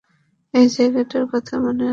এই জায়গাটার কথা মনে আছে।